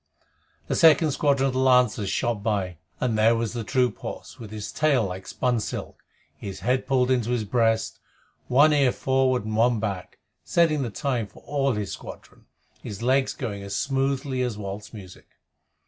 The second squadron of the Lancers shot by, and there was the troop horse, with his tail like spun silk, his head pulled into his breast, one ear forward and one back, setting the time for all his squadron, his legs going as smoothly as waltz music.